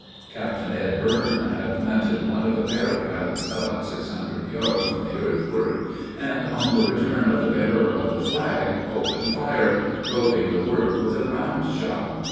Captain "Ed" Byrne had planted one of the Parrott guns about six hundred yards from the earthwork, and on the return of the bearer of the flag opened fire, probing the work with a round shot.